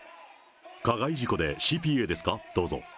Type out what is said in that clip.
加害事故でＣＰＡですか？